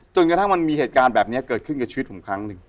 จนกระทั่งมันมีเหตุการณ์แบบนี้เกิดขึ้นกับชีวิตผมครั้งหนึ่ง